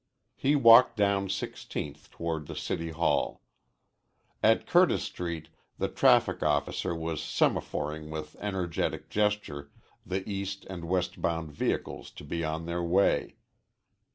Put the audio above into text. He walked down Sixteenth toward the City Hall. At Curtis Street the traffic officer was semaphoring with energetic gesture the east and west bound vehicles to be on their way.